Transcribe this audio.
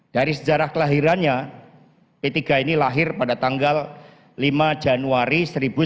dari sejarah kelahirannya p tiga ini lahir pada tanggal lima januari seribu sembilan ratus sembilan puluh